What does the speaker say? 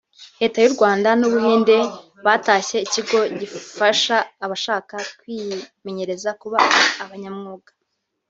Leta y’u Rwanda n’u Buhinde batashye ikigo gifasha abashaka kwimenyereza kuba abanyamwuga